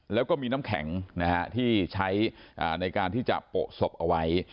แล้วก็มีน้ำแข็งที่ใช้ในการที่จะโปะศพเอาไว้